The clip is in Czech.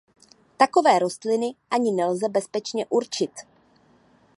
Takové rostliny ani nelze bezpečně určit.